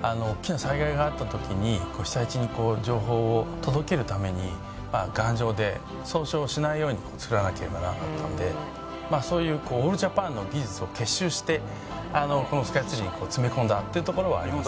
大きな災害があった時に被災地に情報を届けるために頑丈で損傷しないように造らなければならなかったのでそういうオールジャパンの技術を結集してこのスカイツリーに詰め込んだっていうところはあります。